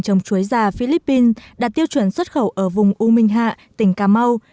trồng chuối già philippines đạt tiêu chuẩn xuất khẩu ở vùng u minh hạ tỉnh cà mau